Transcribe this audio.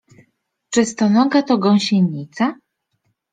Czy stonoga to gąsienica?